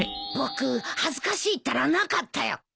僕恥ずかしいったらなかったよ。